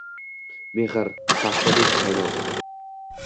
Mehri- paxtasidek qaynoq…